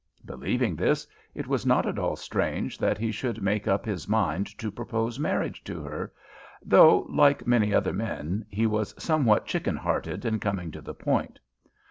Believing this, it was not at all strange that he should make up his mind to propose marriage to her, though, like many other men, he was somewhat chicken hearted in coming to the point.